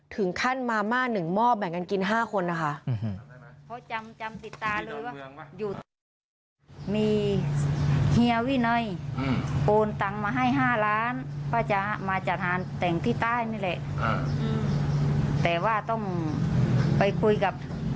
ถึงขั้นมาม่า๑หม้อแบ่งกันกิน๕คนนะคะ